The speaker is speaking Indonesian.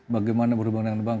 bagaimana berhubungan dengan bank